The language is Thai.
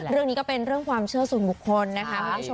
เรื่องนี้ก็เป็นเรื่องความเชื่อสูญบุคคลนะคะ